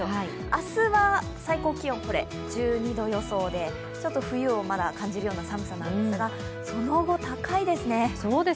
明日は最高気温、１２度予想でちょっと冬をまだ感じるような寒さなんですがその後、高いですね。